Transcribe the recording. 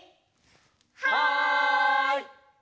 はい！